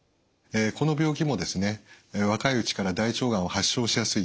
この病気もですね若いうちから大腸がんを発症しやすい。